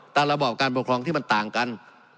ระบอบการปกครองที่มันต่างกัน